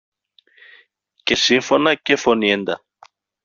και σύμφωνα και φωνήεντα